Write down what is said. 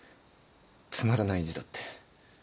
つまらない字だって。